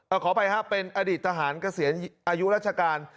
ขออภัยครับเป็นอดีตทหารเกษียณอายุราชการ